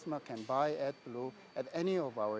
pelanggan bisa membeli adblue